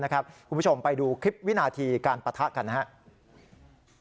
คุณผู้ชมไปดูคลิปวินาทีการปะทะกันนะครับ